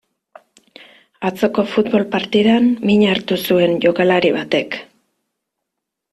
Atzoko futbol partidan min hartu zuen jokalari batek.